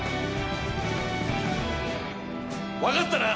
わかったな？